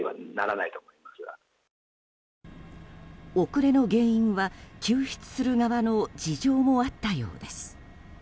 遅れの原因は救出する側の事情もあったようです。